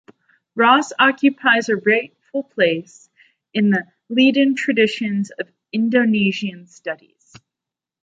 Ras occupies a rightful place in the Leiden tradition of Indonesian studies.